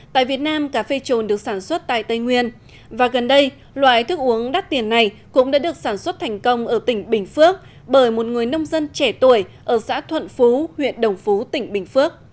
tại việt nam cà phê trồn được sản xuất tại tây nguyên và gần đây loại thức uống đắt tiền này cũng đã được sản xuất thành công ở tỉnh bình phước bởi một người nông dân trẻ tuổi ở xã thuận phú huyện đồng phú tỉnh bình phước